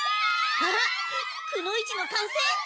あっくの一の歓声。